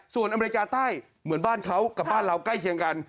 ส่วนอเมริกาใต้เหมือนบ้านเขากับบ้านเราใกล้เคียงกัน